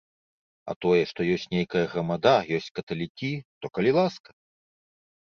А тое, што ёсць нейкая грамада, ёсць каталікі, то калі ласка.